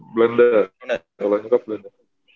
belanda kalau nyokap belanda